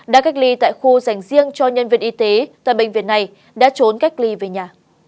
đã cách ly tại khu dành riêng cho nhân viên y tế tại bệnh viện này đã trốn cách ly về nhà